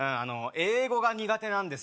英語が苦手なんだ